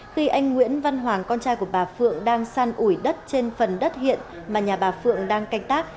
khi anh nguyễn văn hoàng con trai của bà phượng đang san ủi đất trên phần đất hiện mà nhà bà phượng đang canh tác